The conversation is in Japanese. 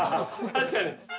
◆確かに。